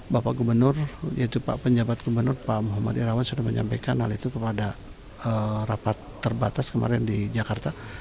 bapak gubernur yaitu pak penjabat gubernur pak muhammad irawan sudah menyampaikan hal itu kepada rapat terbatas kemarin di jakarta